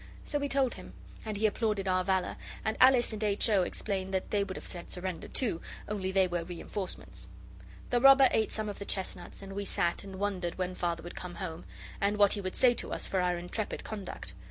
So we told him. And he applauded our valour, and Alice and H. O. explained that they would have said 'Surrender,' too, only they were reinforcements. The robber ate some of the chestnuts and we sat and wondered when Father would come home, and what he would say to us for our intrepid conduct.